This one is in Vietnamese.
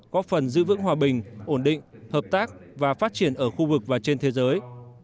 có phần giữ vững hòa bình ổn định hợp tác và phát triển ở khu vực và trên thế giới